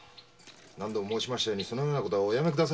何度も申しましたようにそのようなことはおやめください。